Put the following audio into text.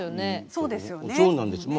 そうなんです。